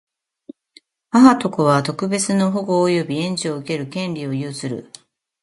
母と子とは、特別の保護及び援助を受ける権利を有する。